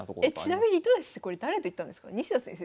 ちなみに糸谷先生これ誰と行ったんですか？